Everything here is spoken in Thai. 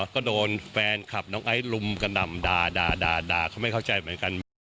ก็โดนแฟนคลับน้องไอซ์ลุมกระหน่ำด่าเขาไม่เข้าใจเหมือนกัน